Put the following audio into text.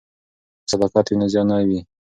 که صداقت وي نو زیان نه وي.